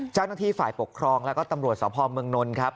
เจ้าหน้าที่ฝ่ายปกครองแล้วก็ตำรวจสพเมืองนนท์ครับ